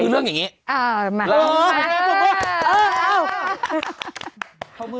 เรื่องอย่างนี้